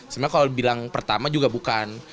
sebenarnya kalau bilang pertama juga bukan